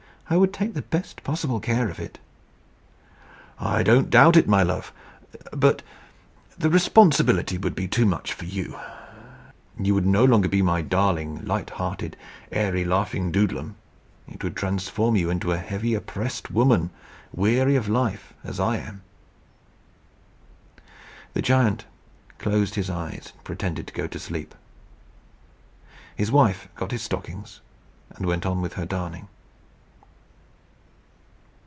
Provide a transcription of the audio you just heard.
"I would take the best possible care of it." "I don't doubt it, my love. But the responsibility would be too much for you. You would no longer be my darling, light hearted, airy, laughing Doodlem. It would transform you into a heavy, oppressed woman, weary of life as I am." The giant closed his eyes and pretended to go to sleep. His wife got his stockings, and went on with her darning.